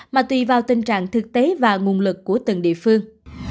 mà tùy vào tình trạng thực tế và nguồn lực của từng địa phương